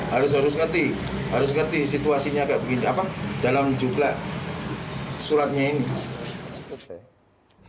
harus ngerti situasinya dalam jumlah suratnya ini